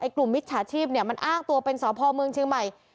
กลุ่มมิตรฉาชีพเนี่ยมันอ้างตัวเป็นสภเมืองเชียงใหม่